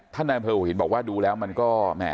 ท่านดำเภอโหยหินบอกว่าดูแล้วมันก็